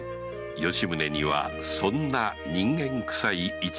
吉宗にはそんな人間くさい一面があったのである